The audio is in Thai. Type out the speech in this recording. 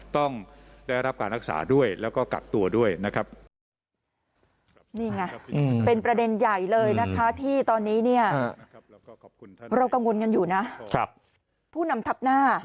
ต้องได้รับการรักษาด้วยแล้วก็กักตัวด้วยนะครับ